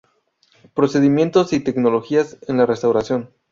Procedimientos y Tecnologías en la Restauración.